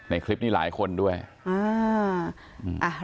ในคลิปนี้หลายคนด้วยอ่า